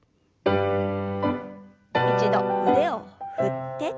一度腕を振って。